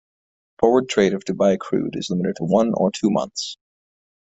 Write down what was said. Forward trade of Dubai Crude is limited to one or two months.